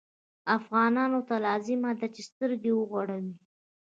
افغانانو ته لازمه ده چې سترګې وغړوي.